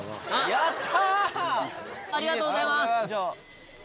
やった！